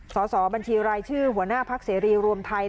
สอบบัญชีรายชื่อหัวหน้าพักเสรีรวมไทย